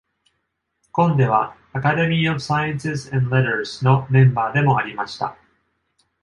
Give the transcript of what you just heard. コンデは Academy of Sciences and Letters のメンバーでもありました。